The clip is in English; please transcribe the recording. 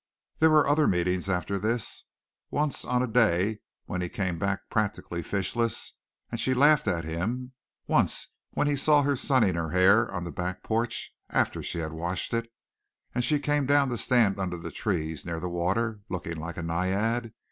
There were other meetings after this, once on a day when he came back practically fishless and she laughed at him; once when he saw her sunning her hair on the back porch after she had washed it and she came down to stand under the trees near the water, looking like a naiad.